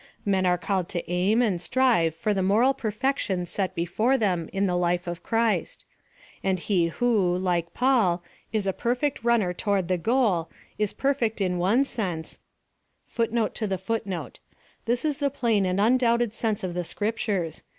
Men are called to aim and strive for the moral perfection set before them in the life of Christ ; and he who, like Paul, is a perfect runnei toward the goal, is perfect f in one sense ; while not hav ing yet attained the goal, he is imperfect in another. t This is the plain and undoubted sense of the Scriptures.